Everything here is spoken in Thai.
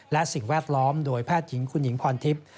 และสิ่งแวดล้อมโดยแพทย์หญิงคุณหญิงพรทิพย์